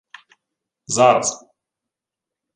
— Зараз.